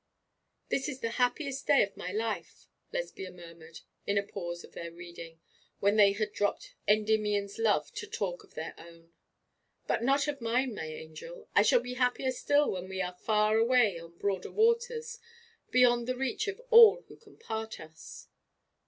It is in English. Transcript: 'This is the happiest day of my life,' Lesbia murmured, in a pause of their reading, when they had dropped Endymion's love to talk of their own. 'But not of mine, my angel. I shall be happier still when we are far away on broader waters, beyond the reach of all who can part us.'